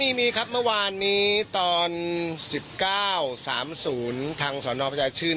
อ๋อมีมีครับเมื่อวานนี้ตอนสิบเก้าสามศูนย์ทางสนประชาชน